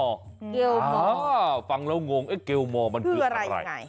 เกวมออ๋อฟังแล้วงงกว่าเกวมอมันคือคืออะไร